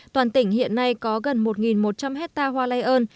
toàn tỉnh hiện nay có gần một một trăm linh hectare hoa lây ơn